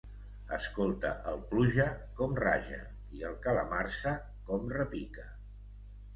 Escolta el Pluja, com raja; i el Calamarsa, com repica.